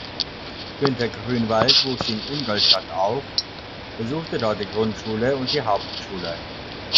Günter Grünwald wuchs in Ingolstadt auf, besuchte dort die Grundschule und die Hauptschule.